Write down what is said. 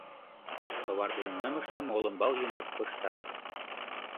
Товар ден нымыштым олымбал йымак пыштат.